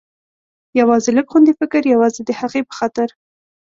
یوازې لږ غوندې فکر، یوازې د هغې په خاطر.